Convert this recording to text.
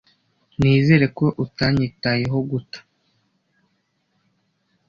Nizere ko utanyitayeho guta.